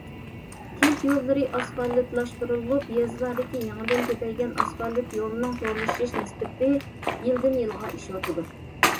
كەنت يوللىرى ئاسفالتلاشتۇرۇلۇپ، يېزىلاردىكى يېڭىدىن كۆپەيگەن ئاسفالت يولنىڭ تورلىشىش نىسبىتى يىلدىن يىلغا ئېشىۋاتىدۇ.